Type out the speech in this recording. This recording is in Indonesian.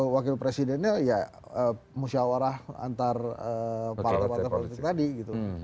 wakil presidennya ya musyawarah antar partai partai politik tadi gitu